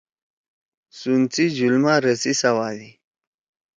سُون سی جُھول ما رسی سوادی۔